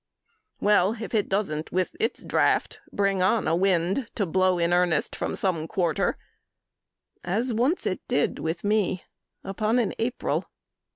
Well if it doesn't with its draft bring on A wind to blow in earnest from some quarter, As once it did with me upon an April.